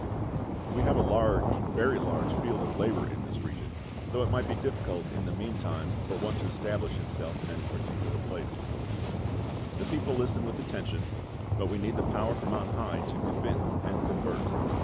"We have a large, very large, field of labour in this region, though it might be difficult in the meantime for one to establish himself in any particular place; the people listen with attention, but we need the Power from on High to convince and convert.